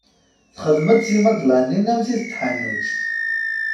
Texdem-d timadlanin am tid n tḥanut.